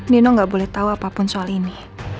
dino gak boleh tau apapun soal ini